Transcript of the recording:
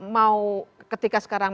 mau ketika sekarang